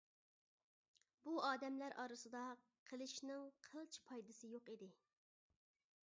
بۇ ئادەملەر ئارىسىدا قېلىشنىڭ قىلچە پايدىسى يوق ئىدى.